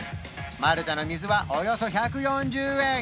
マルタの水はおよそ１４０円